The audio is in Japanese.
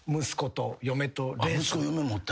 息子嫁もおった？